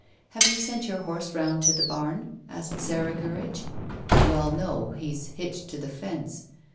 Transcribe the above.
"Have you sent your horse round to the barn?" asked Sarah Gurridge. "Well, no. He's hitched to the fence."